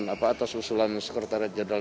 apa atas usulan sekretariat jadwal